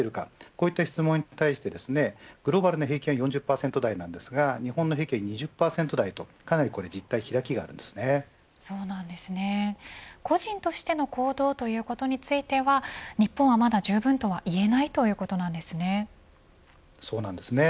こういった質問に対してグローバルな平均は４０％台ですが日本の平均は２０％台と個人としての行動ということについては日本はまだ、じゅうぶんとはいえないということですね。